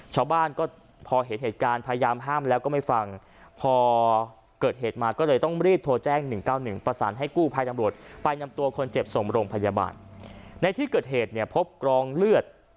คนเจ็บสมโรงพยาบาลในที่เกิดเหตุเนี่ยพบกรองเลือด